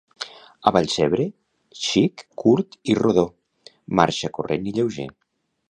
A Vallcebre: Xic, Curt i Rodó, Marxa Corrent i Lleuger.